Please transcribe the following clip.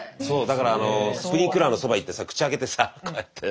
だからスプリンクラーのそば行ってさ口開けてさこうやって。